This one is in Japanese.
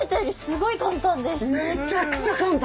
めちゃくちゃ簡単！